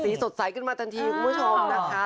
สดใสขึ้นมาทันทีคุณผู้ชมนะคะ